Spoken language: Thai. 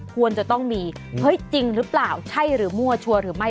ควรจะต้องมีเฮ้ยจริงหรือเปล่าใช่หรือมั่วชัวร์หรือไม่